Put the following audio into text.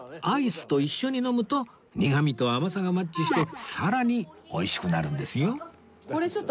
アイスと一緒に飲むと苦みと甘さがマッチしてさらに美味しくなるんですよ